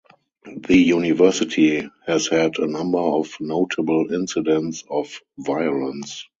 The university has had a number of notable incidents of violence.